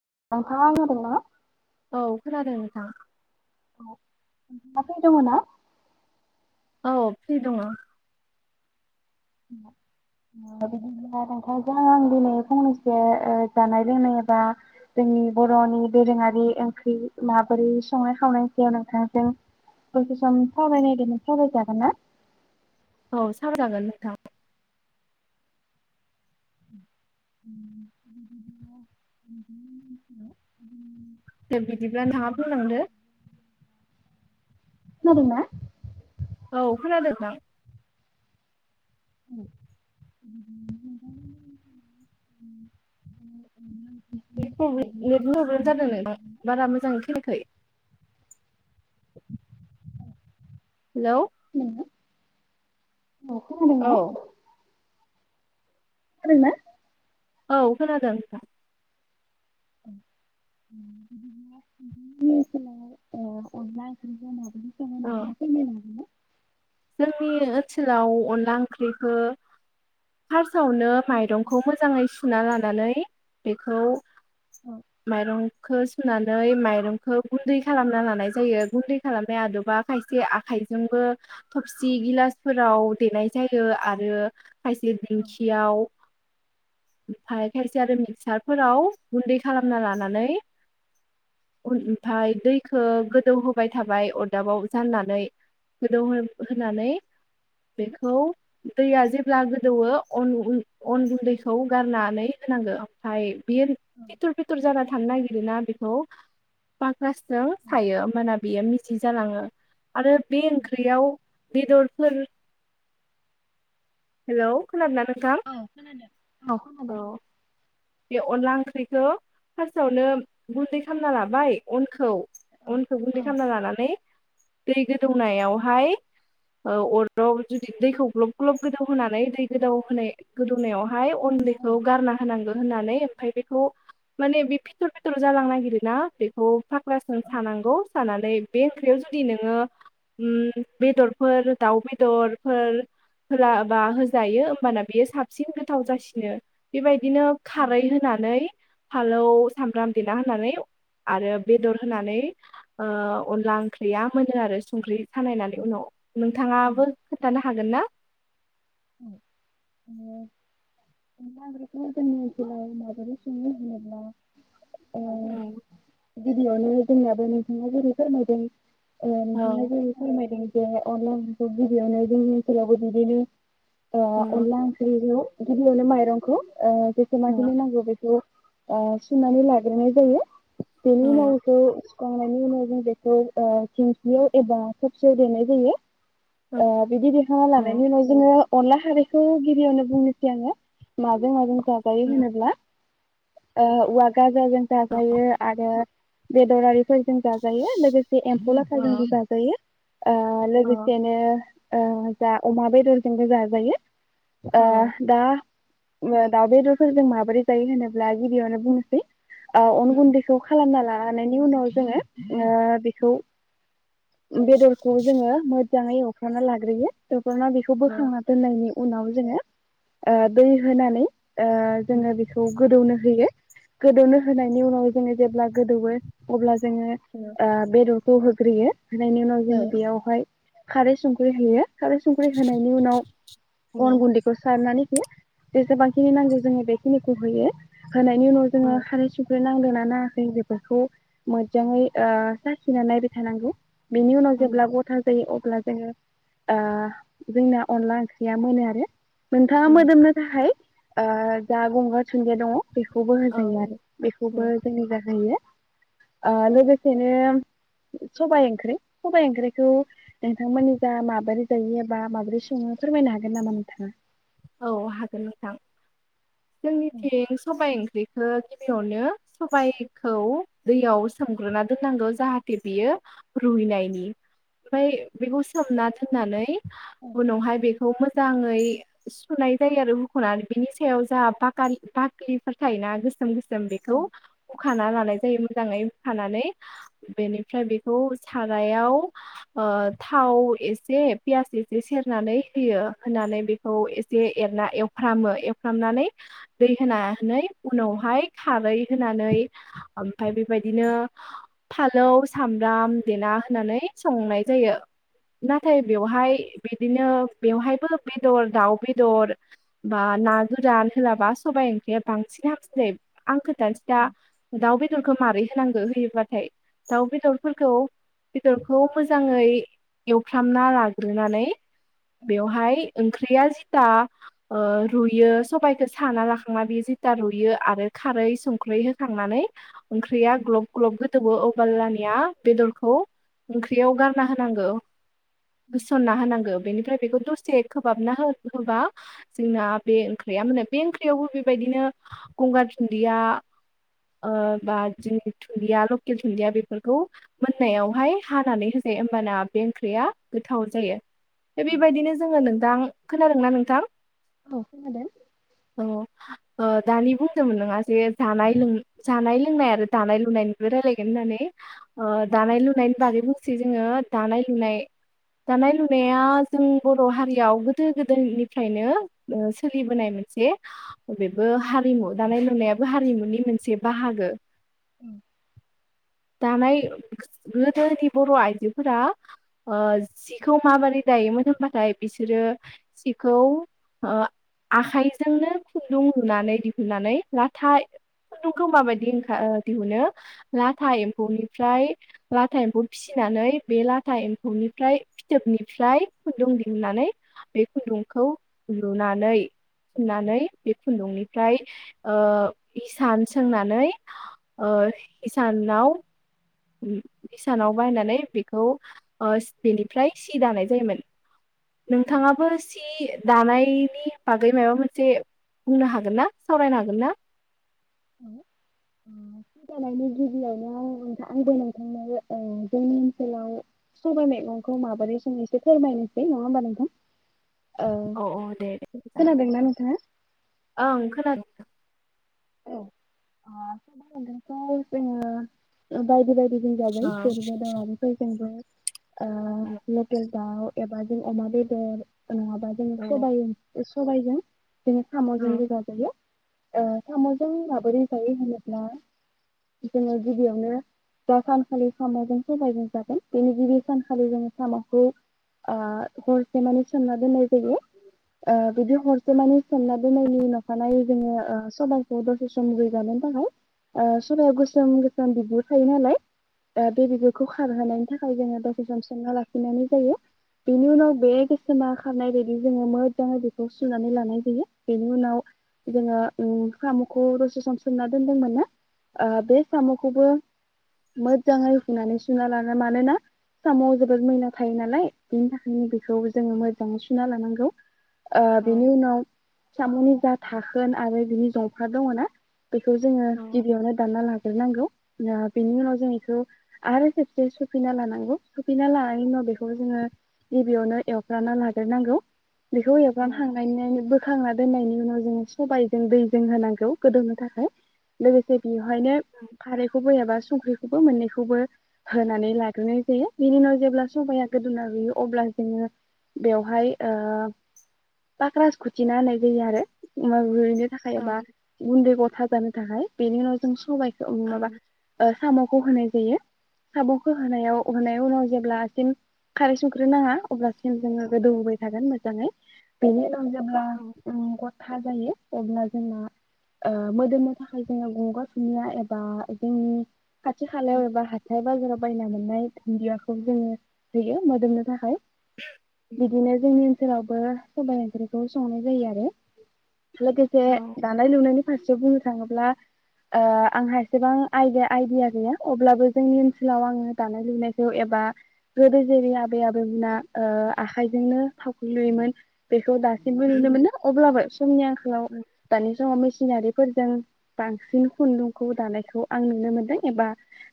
[unintelligible] औ खोनादों नोंथां। औ नोंा फ औ फ्रि दङ। बिदिब्ला नोंथांजों आं दिनै फंनैसो ओ जानाय लोंनाय एबा जोंनि बर'नि दोरोङारि ओंख्रि माबोरै संनाय खाव सायाव नोंथांजों बसे सम सावरायनायदोंमोन सावरायजागोन ना? औ सावराय जागोन नोंथां। [unintelligible] दे बिदिब्ला नोंथाङा बुंलांदो खोनादों ना? औ खोनादों नोंथां। [unintelligible] नेट प्रब नेटनि प्रब्लेम जादों नोंथां बारा मोजाङै खोनाखै। हेलौ। [unintelligible] खोनादों ना? औ [unintelligible] औ खोनादों नोंथां। [unintelligible] औ। फोरमायनो हागोन ना? जोंनि ओनसोलाव अनला ओंख्रिखौ फार्स्टआवनो माइरंखौ मोजाङै सुना लानानै बेखौ औ मायरं। खौ सुनानै माइरंखौ गुन्दै खालामना लानाय जायो गुन्दै खालामनाया आदबा खायसे आखाइजोंबो थफसि गिलासफोराव देनाय जायो आरो खायसे औ दिंखियाव ओमफाय खायसे आरो मिक्सारफोराव गुन्दै खालामना लानानै ओमफाय दैखौ गोदौ होबाय थाबाय अरदाबाव जाननानै गोदौ होनानै बेखौ दैया जेब्ला गोदौवो अन अन गुन्दैखौ गारनानै होनांगो ओमफाय बियो औ फिथुरफिथुर जाना थांनो नागिरोना बेखौ क्लासजों सायो होनबाना बियो मिथिं जालाङो। आरो बे ओंख्रियाव। बेदरफोर हेलौ खोनादो ना नों औ खोनादों औ खोनादों। बे अनला ओंख्रिखौ फास्टआवनो गुन्दै खालामना लाबाय अनखौ औ उनखौ गुन्दै औ खालामना लानानै दै गोदौनायावहाय ओ अराव जुदि दैखौ ग्लब ग्लब गोदौ होनानै दै गोदौ होनाय गोदौनायाव हाय औ अन्दैखौ गारना होनांगौ। होननानै ओमफाय बेखौ माने बे फिथर फिथर जालां नागिरोना बेखौ पाक्रासजों औ सानांगौ सानान बे ओंख्रि जुदि नोङो उम बेदरफोर दाव बेदरफोर फोरा बा होजायो ओमबाना बेयो साबसिन गोथाव जासिनो बेबायदिनो खारै होनानै फालौ सामब्राम देना होनानै आरो बेदर होनानै अनला ओ ओंख्रिया मोनो आरो संख्रि सानायनानै उनाव ओं नोंथाङाबो खोन्थानो हागोन ना? [unintelligible] औ गिबियावनो जोंनियाबो नोंथाङा जोरै फोरमायदों ओ नोंथाङा जेरै फोरमायदों जे अनला ओंख्रिखौ गिबियावनो जोंनि ओनसोलावबो बिदिनो अ अनला ओंख्रिखौ गिबियावनो माइरंखौ ओ जेखौ माजुलि नांगौ बेखौ ओ सुनानै लाग्रोनाय जायो। बेनि उनावसो खांनायनि उनाव जों बेखौ ओ थिंख्लियाव एबा सबसियाव देनाय जायो ओ [unintelligible] [unintelligible] लानायनि उनाव जोङो अनला खारैखौ गिबियावनो बुंनोसै आङो माजों माजों जाजायो होनोब्ला ओ औवाक गाजाजों जाजायो आरो बेदरारिफोरजों जाजायो लोगोस बे ऐम्फौ लाथाजोंबो जाजायो। ओ लोगोसेनो ओ जा अमा बेदर जोंबो जाजायो। ओ दा दाउ बेदरफोरजों माबोरै जायो होनोब्ला गिबियावनो बुंनोसै। ओ अन गुन्दैखौ खालामना लानायनि उनाव जोङो ओ बेखौ बेदरखौ जोङो मोजाङै ए [unintelligible] लाग्रोयो [unintelligible] [unintelligible] बोखांना दोननायनि। उनाव जोङो ओ दै होनानै। ओ जोङो बेखौ गोदौनो होयो। गोदौनो होनायनि उनाव जोङो जेब्ला गोदौवो अब्ला जोङो ओ बेदर। खौ होग्रोयो। होनायनि उनाव जोङो बेयावहाय। खारै संख्रि होयो खारै सं होनायनि उनाव अन गुन्दैखौ सारनानै। [unintelligible] जेसेबांखिनि नांगौ जोङो बेखिनिखौ होयो होनायनि उनाव जोङो खारै सुख्रै नांदोंना नाङाखै बेफोरखौ मोजाङै ओ साखिनानै नायबाय थानांगौ। बिनि उनाव जेब्ला गथा जायो अ अब्ला जोङो ओ जोंना अनला ओंख्रिया मोनो आरो। नोंथाङा मोदोमनो थाखाय। ओ जा गंगार दुनदिया दङ। बेखौबो होजायो आरो औ बेखौबो जोंनिजा होयो। ओ लोगोसेनो सबाइ ओंख्रि सबाइ ओंख्रिखौ नोंथांमोननि जा माबारि जायो? बा माब्रै सङो फोरमायनो हागोन नामा नोंथाङा? औ हागोन नोंथां। जोंनिथिं सबाइ ओंख्रि। बेखौ गिबियावनो सबायखौ दैयाव सोमग्रोना दोननांगौ जाहाथे बियो रुइनायनि ओमफ्राय बेखौ सोमना दोननानै। उनावहाय बेखौ मो जाङै सुनाय जायो आरो हुखनानै बिनि सायाव जा बाख बाखलिफोर थायोना गोसोम गोसोम। जों बेखौ हुखाना लानाय जायो मोजाङै। खानानै बेनिफ्राय बेखौ सारायाव ओ थाव एसे पियास एसे सेरनानै होयो होनानै बे खौ एसे एरना एवफ्रामो एवफ्रामनानै दै होनानै उनावहाय खारै होनानै ओमफाय बेबायदिनो फालौ सामब्राम देना होनानै संनाय जायो। नाथाय बेवहाय बिदिनो। ओ बेवहायबो। बेदर दाउ बेदर बा ना गोरान होलाबा सबाइ ओंख्रिया बांसिन हामसिन जायो। आं खोनथानिसै दा दाउ बे बेदरखौ मारै होनांगो होयोबाथाय दाउ बेदरफोरखौ बेदरखौ मोजाङै एवफ्रामना लाग्रोनानै बेवहाय ओंख्रिया जिथा ओ रुयो सबाइखौ साना लाखांना बेयो जिथा रुइयो आरो खारै संख्रै होखांनानै ओंख्रिया ग्लब ग्लब गोदौवो अब अनलानिया बेदरखौ ओंख्रियाव गारना होनांगौ होसनना होनांगो बेनिफ्राय बेखौ दसे खोहाबना हो होबा जोंना बे ओंख्रैया मोनो बे ओंख्रैयावबो बेबायदिनो गंगार धुन्दिया ओ बा जोंनि धुन्दिया लकेल धुन्दिया बेफोरखौ मोननायावहाय हानानै होजायो बाना बे ओंख्रैया गोथाव जायो। बेबायदिनो जोङो नों आं खोनादों ना नोंथां? औ खोनादों [unintelligible] ओ दानि बुंदोमोन नोङा जे जानाय लों जानाय लोंनाय आरो दानाय लुनायनिबो रायलायगोन होननानै ओ दानाय लुनायनि बागै बुंसै जोङो दानाय लुनाय दानाय लुनाया जों बर' हारि याव गोदो गोदोनिफ्रायनो ओ सोलिबोनाय मोनसे बेबो हारिमु दानाय लुनायाबो हारिमुनि मोनसे बाहागो दानाय गोदोनि बर' आइजोफोरा ओ जिखौ माबारै दायोमोन होनबाथाय बिसोरो सिखौ ओ आखाइजोंनो खुन्दुं लुनानै दिहुननानै लाथा खुन्दुंखौ माबायदि ओंखा ओ दिहुनो लाथा एम्फौनिफ्राय लाथा एम्फौ फिसिनानै बे लाथा एम्फौनिफ्राय फिथोबनिफ्राय खुन्दुं दि नानै बे खुन्दुंखौ लुनानै थुननानै बे खुन्दुंनिफ्राय ओ हिसान सोंनानै ओ हिसानाव हिसानाव बाहायनानै बेखौ ओ बेनिफ्राय सि दानाय जायोमोन। नोंथाङाबो सि दानायनि बागै मायबा मोनसे बुंनो हागोन ना सावरायनो हागोन ना? सि दानायनि गिबियावनो आं आंबो नोंथांनो ओ जोंनि ओनसोलाव सबाय मेगंखौ माबोरै सङो एसे फोरमायनोसै नङा होमबा नोंथां? ओ अ अ दे दे जागोन खोनादोंना नोंथाङा ओं खोनादों थां। औ ओ [unintelligible] जोङो बायदि बाय गिदिं जाबाय औ [unintelligible] ओ लकेल दाउ एबा जों अमा बेदर नङाबा जों औ सबाय सबायजों जों औ साम'जोंबो जाजायो ओ साम'जों माबोरै जायो होनोब्ला जोङो गिबियावनो दा सानखालि साम'जों सबायजों जागोन बेनि गिबि सानखालि जोङो साम'खौ आ हरसे माने सोमना दोन्नाय जायो ओ बिदि हरसे माने सोमना दोननायनि अखा नायै जोङो ओ सबाइखौ दसे सम रुइगानो थाखाय सबायाव गोसोम गोसोम बिगुर थायो नालाय ओ बे बिगुरखौ खारहोनायनि थाखाय जोङो दसे सम सोमना लाखिनांगौ जायो बेनि उनाव बे गोसोमा खारनाय बायदि जोङो मोजाङै बेखौ सुनानै लानाय जायो बेनि उनाव जोङो उम साम'खौ दसे सम सोमना दोनदोंमोन ना ओ बे साम'खौबो मोजाङै हुनानै सुना लाना मानोना साम'आव जोबोद मैला थायो नालाय बिनि थाखायनो बेखौ जोङो मोजाङै सुना लानांगौ। ओ औ बेनि उनाव साम'नि जा धाखोन आरो बिनि जंफ्रा दङ ना बेखौ जोङो औ गिबियावनो दानना ला ग्रोनांगौ ओ बेनि उनाव जों बेखौ आरो खेबसे सुफिना लानांगौ सुफिना लानायनि उनाव बेखौ जोङो गिबियावनो एवफ्राना लाग्रोनांगौ बेखौ औ एवफ्रामखांनायनै बोखांना दोननायनि उनाव जोङो सबाय जों दैजों होनांगौ गोदौनो थाखाय लोगोसे बेयाव बेहायनो खारैखौबो एबा संख्रिखौबो मोनैखौबो होनानै लाग्रोनाय जायो बिनि उनाव जेब्ला सबाया गोदौना रुयो अब्ला जोङो बेवहाय ओ बा ख्रासखुथिना होननाय जायो आरो थाखाय एबा औ गुन्दै गथा जानो थाखाय बेनि उनाव जों सबाय औ माबा ओ साम' खौ होनाय जायो साम'खौ होनायाव होनाय उनाव जेब्लासिम फिन खारै संख्रि नाङा अब्लासिम जोङो गोदौहोबाय थागोन मोजाङै बेनि उनाव जेब्ला ओं गथा जायो अब्ला जोंना ओ मोदोमनो थाखाय जोंना गंगार दुनिया एबा जोंनि खाथि खालायाव एबा हाथाय बाजाराव बायना मोननाय दुन्दियाखौ जोङो होयो मोदोमनो थाखाय। बिदिनो जोंनि ओनसोलावबो सबाइ ओंख्रिखौ संनाय जायो आरो। लोगोसे दानाय लुनायनि फारसेयाव बुंनो थाङोब्ला ओ आंहा बेसेबां आइदिया आइदिया गैया। अब्लाबो जोंनि ओनसोलाव आङो दानाय लुनायखौ एबा गोदो जेरै आबै आबैमोना ओ आखायजोंनो थावख्रि लुयोमोन बे खौ दासिमबो नुनो उम मोनो अब्लाबो समनि बेयाव उम दानि समाव मेसिनारिफोरजों बांसिन खुन्दुंखौ दानायखौ आं नुनो मोनदों एबा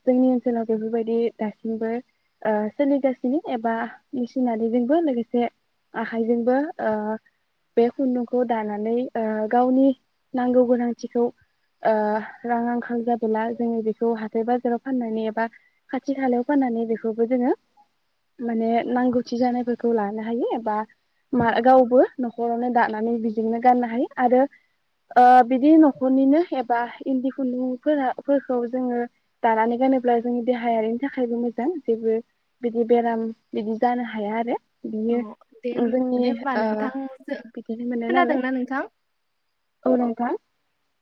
जोंनि ओनसोलाव बेफोरबायदि दासिमबो ओ सोलिगासिनो एबा मेसिनारिजोंबो लोगोसे आखायजोंबो ओ बे खुन्दुंखौ दानानै ओ गावनि नांगौ गोनांथिखौ ओ रां आंखाल जाबोला जोङो बेखौ हाथाय बाजाराव फाननानै एबा खाथि खालायाव फाननानै बेखौबो जोङो माने नांगौथि जानायफोरखौ लानो हायो एबा मा औ गावबो न'खरावनो दानानै बिजोंनो गाननो हायो। आरो ओ बिदि न'खरनिनो एबा इन्दि खुन्दुंफोरा-फोरखौ जोङो दानानै गानोब्ला जोंनि देहायारिनि थाखायबो मोजां जेबो बिदि बेराम बिदि जानो हाया आरो। बियो औ दे होम जोंनि दे होनबा ओ नोंथां बिदिनो मोनो नालाय खोनादोंना नोंथां? औ नोंथां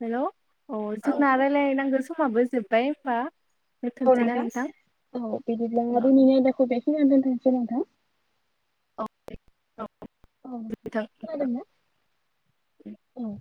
हेलौ अ औ जोंना रायलायनांगोन समाबो जोबबाय बा औ रागा औ बिदिब्ला दिनैनि आयदाखौ बे खिनिआवनो दोन्थ'नोसै नोंथां। औ अ नोंथां बिथां खोनादों ना औ।